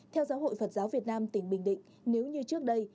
theo giáo hội phật giáo việt nam tỉnh bình định nếu như trước đây